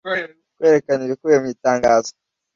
Kwerekana ibikubiye mu itangazo